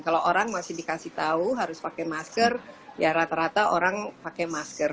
kalau orang masih dikasih tahu harus pakai masker ya rata rata orang pakai masker